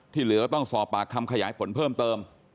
เหลือต้องสอบปากคำขยายผลเพิ่มเติม